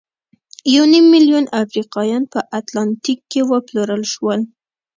یو نیم میلیون افریقایان په اتلانتیک کې وپلورل شول.